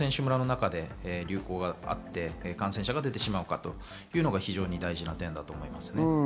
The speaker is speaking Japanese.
ここから選手村の中で流行して感染者が出てしまうかというのが非常に大事な点だと思います。